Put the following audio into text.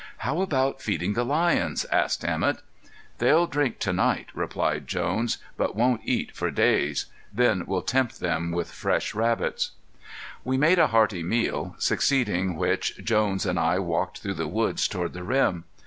"How about feeding the lions?" asked Emett. "They'll drink to night," replied Jones, "but won't eat for days; then we'll tempt them with fresh rabbits." We made a hearty meal, succeeding which Jones and I walked through the woods toward the rim.